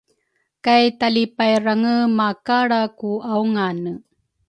Kay talipairange makalra ku aungane